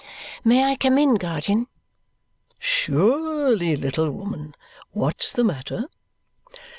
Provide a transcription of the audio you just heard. "May I come in, guardian?" "Surely, little woman. What's the matter?"